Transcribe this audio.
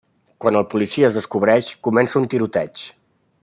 Quan el policia es descobreix, comença un tiroteig.